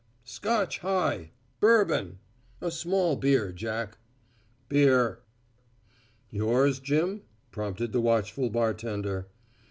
"Scotch high." "Bourbon." "A small beer, Jack." "Beer." "Yours, Jim?" prompted the watchful bartender.